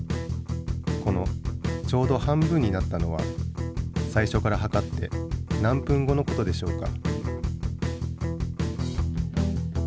このちょうど半分になったのは最初から計って何分後の事でしょうか？